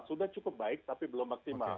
sudah cukup baik tapi belum optimal